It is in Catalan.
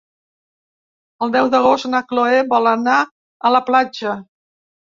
El deu d'agost na Chloé vol anar a la platja.